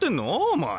お前。